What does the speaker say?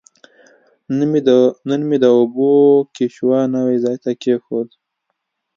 نن مې د اوبو کیچوا نوي ځای ته کیښود.